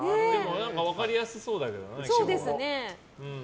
分かりやすそうだけどね。